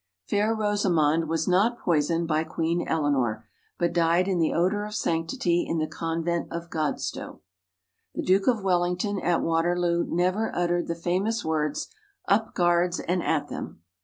Fair Rosamond was not poisoned by Queen Eleanor, but died in the odor of sanctity in the convent of Godstow. The Duke of Wellington, at Waterloo, never uttered the famous words, "Up, Guards, and at them!"